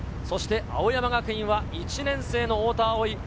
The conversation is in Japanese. そして青山学院は１年生の太田蒼生。